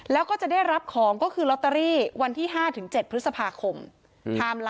แล้วก็จะได้รับของก็คือลอตเตอรี่วันที่๕๗พฤษภาคม